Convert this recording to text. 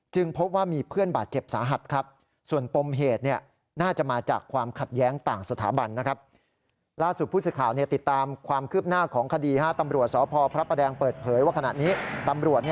จึงพบว่ามีเพื่อนบาดเจ็บสาหัสครับ